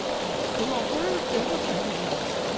これは起こらなくてよかった悲劇なんですから。